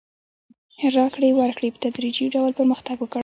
راکړې ورکړې په تدریجي ډول پرمختګ وکړ.